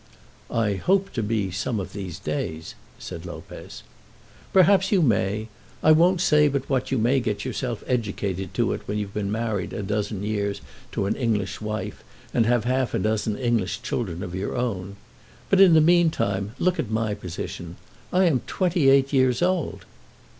"I hope to be, some of these days," said Lopez. "Perhaps you may. I won't say but what you may get yourself educated to it when you've been married a dozen years to an English wife, and have half a dozen English children of your own. But, in the meantime, look at my position. I am twenty eight years old."